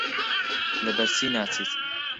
لەبەرچی ناچیت؟